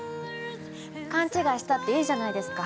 かんちがいしたっていいじゃないですか。